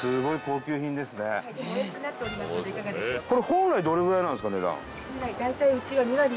本来どれぐらいなんですか値段。